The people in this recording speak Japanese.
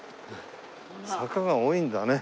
坂が多いんだね。